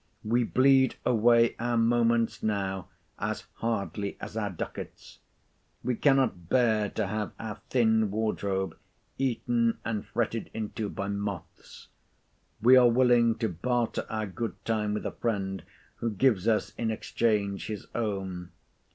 We bleed away our moments now as hardly as our ducats. We cannot bear to have our thin wardrobe eaten and fretted into by moths. We are willing to barter our good time with a friend, who gives us in exchange his own.